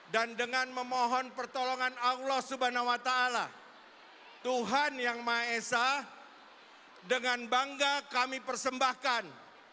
dan dengan memohon pertolongan allah swt tuhan yang maha esa dengan bangga kami persembahkan